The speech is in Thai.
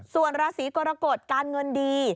ส่วนราศีกรกฎการเงินดี